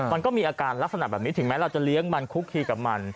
มันก็มีอาการลักษณะแบบนี้ถึงแม้เราจะเลี้ยงมันคุกคีกับมัน